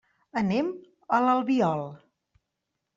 Anem a l'Albiol.